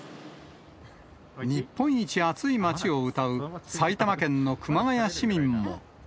日本一暑い街をうたう、埼玉県の熊谷市民も。